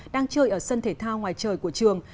đang chơi ở sân thể thao ngoài trời của trường